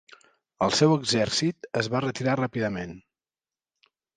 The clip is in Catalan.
El seu exèrcit es va retirar ràpidament.